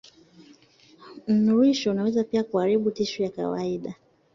Mnururisho unaweza pia kuharibu tishu ya kawaida.